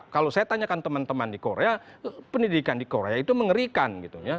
kalau saya tanyakan teman teman di korea pendidikan di korea itu mengerikan gitu ya